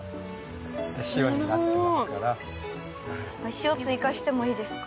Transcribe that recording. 塩追加してもいいですか。